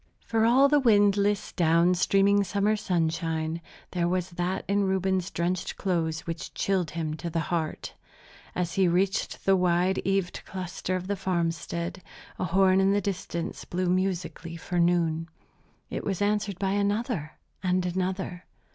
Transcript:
For all the windless down streaming summer sunshine, there was that in Reuben's drenched clothes which chilled him to the heart. As he reached the wide eaved cluster of the farmstead, a horn in the distance blew musically for noon. It was answered by another and another.